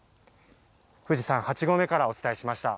富士山８合目からお伝えしました。